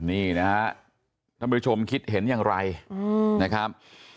นี่นะฮะท่านผู้ชมคิดเห็นอย่างไรนะครับ